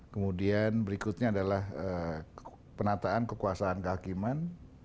kemudian berikutnya adalah penataan kekuasaan kehakiman